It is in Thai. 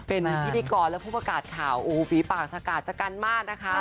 เป็นพิธีกรและผู้ประกาศข่าวโอ้โหฝีปากสกาดชะกันมากนะคะ